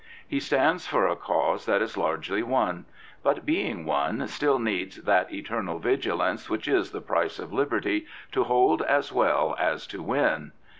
He stands for a cause that is largely won; but, being won, still needs that eternal vigilance which is the price of liberty, to hold as well as to win.